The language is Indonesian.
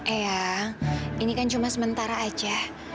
eyang ini kan cuma sementara aja